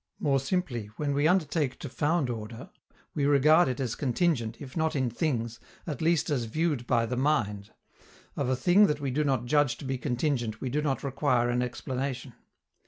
More simply, when we undertake to found order, we regard it as contingent, if not in things, at least as viewed by the mind: of a thing that we do not judge to be contingent we do not require an explanation.